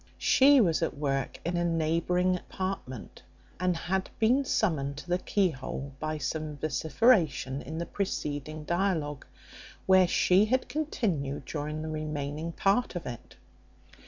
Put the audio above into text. She was at work in a neighbouring apartment, and had been summoned to the keyhole by some vociferation in the preceding dialogue, where she had continued during the remaining part of it.